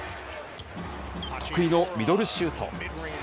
得意のミドルシュート。